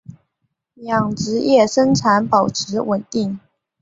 养殖业生产保持稳定。